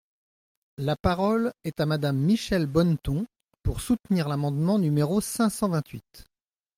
La parole est à Madame Michèle Bonneton, pour soutenir l’amendement numéro cinq cent vingt-huit.